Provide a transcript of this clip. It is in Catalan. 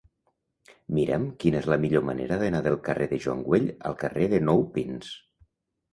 Mira'm quina és la millor manera d'anar del carrer de Joan Güell al carrer de Nou Pins.